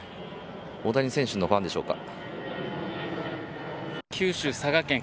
大谷選手のファンでしょうか。